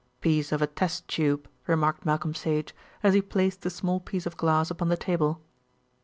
"Piece of a test tube," remarked Malcolm Sage, as he placed the small piece of glass upon the table.